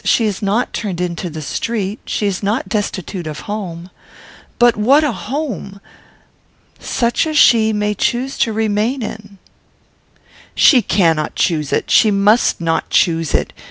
She is not turned into the street. She is not destitute of home." "But what a home!" "Such as she may choose to remain in." "She cannot choose it. She must not choose it.